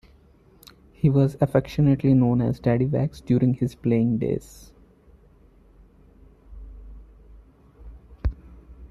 He was affectionately known as "Daddy Wags" during his playing days.